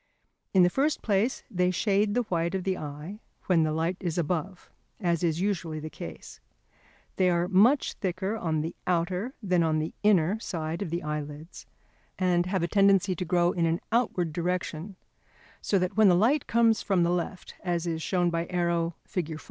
In the first place they shade the white of the eye when the light is above, as is usually the case. They are much thicker on the outer than on the inner side of the eyelids, and have a tendency to grow in an outward direction, so that when the light comes from the left, as is shown by arrow, Fig.